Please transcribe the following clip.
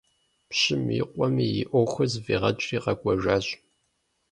Пщым и къуэми и Ӏуэхур зыфӀигъэкӀри къэкӀуэжащ.